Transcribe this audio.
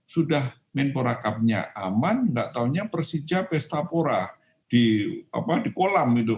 sudah menpora cup nya aman tidak tahunya persija pesta pora di kolam itu